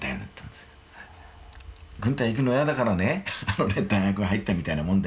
軍隊行くのやだからね大学入ったみたいなもんでね。